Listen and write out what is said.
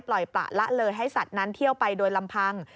ปล่อยประละเลยให้สัตว์นั้นเที่ยวไปโดยลำพัง